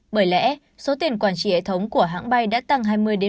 bởi lẽ số tiền quản trị hệ thống của hãng bay đã tăng hai mươi ba mươi